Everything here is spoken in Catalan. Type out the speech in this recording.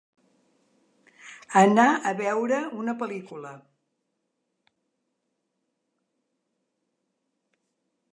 Anar a veure una pel·lícula.